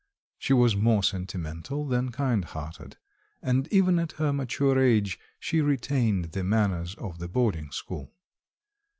She was more sentimental than kindhearted; and even at her mature age, she retained the manners of the boarding school.